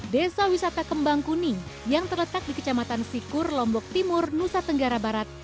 desa wisata kembang kuning yang terletak di kecamatan sikur lombok timur nusa tenggara barat